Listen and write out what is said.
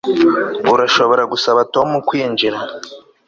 Urashobora gusaba Tom kwinjira